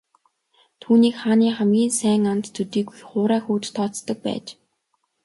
Түүнийг хааны хамгийн сайн анд төдийгүй хуурай хүүд тооцдог байж.